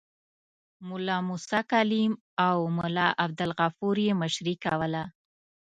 ملا موسی کلیم او ملا عبدالغفور یې مشري کوله.